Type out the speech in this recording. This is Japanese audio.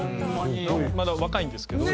まだ若いんですけど。